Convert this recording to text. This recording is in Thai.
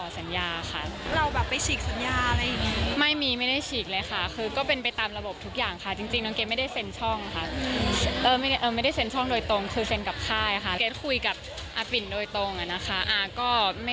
สัญญาหมดค่ะแล้วก็ไม่ได้ต่อสัญญาค่ะ